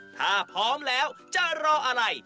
ถ้าพร้อมแล้วจะรออะไร